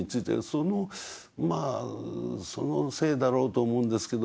そのまあそのせいだろうと思うんですけど